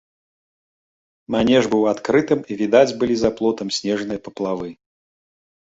Манеж быў адкрытым, і відаць былі за плотам снежныя паплавы.